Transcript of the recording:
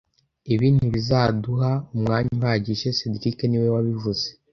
Ibi ntibizaduha umwanya uhagije cedric niwe wabivuze